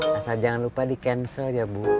asal jangan lupa di cancel ya bu